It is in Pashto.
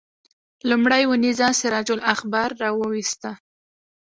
لومړۍ اونیزه سراج الاخبار راوویسته.